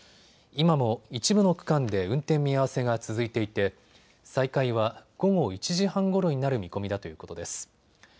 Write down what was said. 今も一部の区間で運転見合わせが続いていて再開は午後１時半ごろになる見込みだということです。